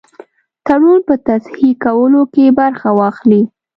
تړون په تصحیح کولو کې برخه واخلي.